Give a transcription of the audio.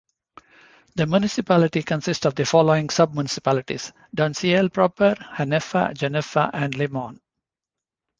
The municipality consists of the following sub-municipalities: Donceel proper, Haneffe, Jeneffe, and Limont.